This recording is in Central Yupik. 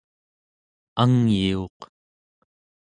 angyiuq